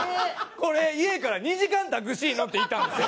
これ家から２時間タクシー乗って行ったんですよ！